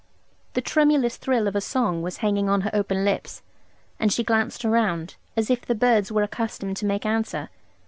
The tremulous thrill of her song was hanging on her open lips; and she glanced around, as if the birds were accustomed to make answer.